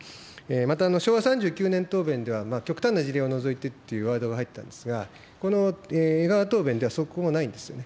また、昭和３９年答弁では、極端な事例を除いてっていうワードが入ったんですが、この江川答弁ではそこもないんですね。